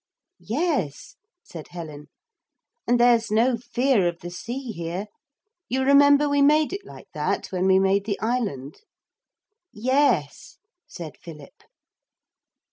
'Yes,' said Helen, 'and there's no fear of the sea here; you remember we made it like that when we made the island?' 'Yes,' said Philip.